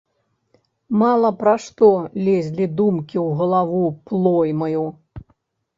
Мала пра што лезлі думкі ў галаву плоймаю.